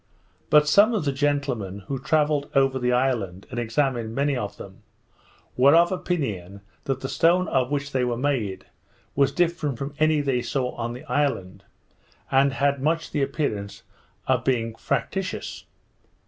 But some of the gentlemen, who travelled over the island, and examined many of them, were of opinion that the stone of which they were made, was different from any they saw on the island, and had much the appearance of being factitious.